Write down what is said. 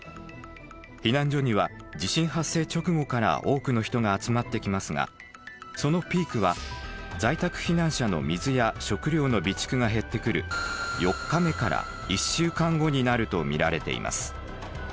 避難所には地震発生直後から多くの人が集まってきますがそのピークは在宅避難者の水や食料の備蓄が減ってくる４日目から１週間後になると見られています。